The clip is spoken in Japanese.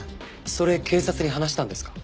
それ警察に話したんですか？